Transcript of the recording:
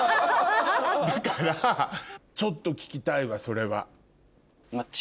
だからちょっと聞きたいわそれは。